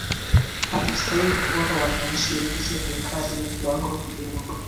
hatustahili kuwapa wananchi wetu serikali ya kiwango kidogo